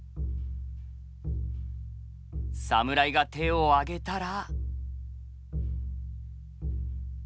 侍が手を上げたら。